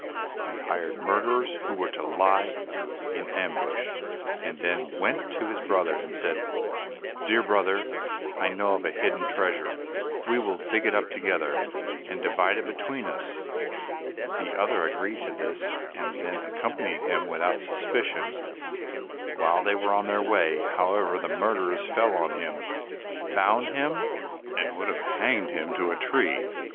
He hired murderers, who were to lie in ambush, and then he went to his brother and said, "Dear brother, I know of a hidden treasure, we will dig it up together, and divide it between us." The other agreed to this, and accompanied him without suspicion. While they were on their way, however, the murderers fell on him, bound him, and would have hanged him to a tree.